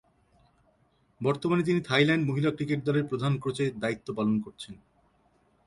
বর্তমানে তিনি থাইল্যান্ড মহিলা ক্রিকেট দলের প্রধান কোচের দায়িত্ব পালন করছেন।